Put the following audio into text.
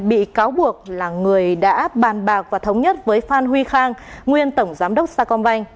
bị cáo buộc là người đã bàn bạc và thống nhất với phan huy khang nguyên tổng giám đốc sao con banh